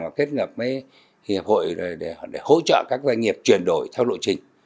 và kết hợp với hiệp hội để hỗ trợ các doanh nghiệp chuyển đổi theo lộ trình